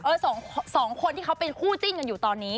สองคนที่เขาเป็นคู่จิ้นกันอยู่ตอนนี้